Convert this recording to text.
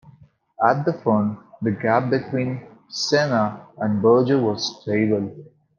At the front, the gap between Senna and Berger was stable.